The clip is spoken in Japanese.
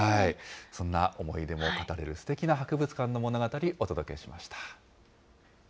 そんな思い出も語れるすてきな博物館の物語、お届けしました。